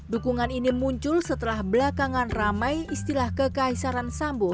dukungan ini muncul setelah belakangan ramai istilah kekaisaran sambo